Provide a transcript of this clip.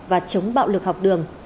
và chống bạo lực học đường